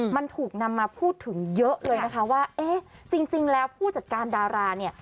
มันถูกนำมาพูดถึงเยอะเลยนะคะว่าเอ๊ะจริงแล้วผู้จัดการดาราเนี่ย